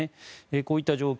こういった状況